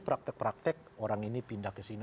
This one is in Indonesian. praktek praktek orang ini pindah kesini